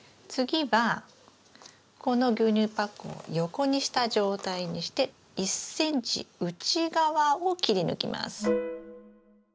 次はこの牛乳パックを横にした状態にして１ｃｍ内側を切り抜きます。